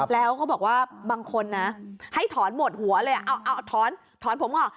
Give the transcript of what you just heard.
แล้วเขาบอกว่าบางคนนะให้ถอนหมดหัวเลยเอาถอนผมออก